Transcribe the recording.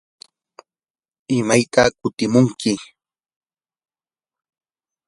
¿imaytaq kutimunki?